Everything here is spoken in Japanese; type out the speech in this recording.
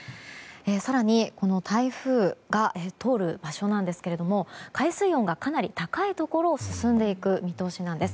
更に、台風が通る場所なんですが海水温がかなり高いところを進んでいく見通しなんです。